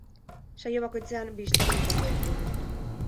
Saio bakoitzean bi istorio izango ditugu.